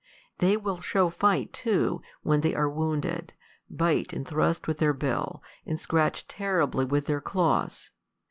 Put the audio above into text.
They will show fight, too, when they are wounded, bite and thrust with their bill, and scratch terribly with their claws.